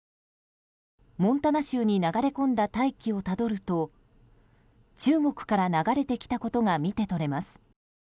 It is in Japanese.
モンタナ州に流れ込んだ大気をたどると中国から流れてきたことが見て取れます。